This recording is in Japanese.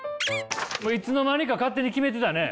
いつの間にか勝手に決めてたね！